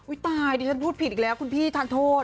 ตายดิฉันพูดผิดอีกแล้วคุณพี่ทานโทษ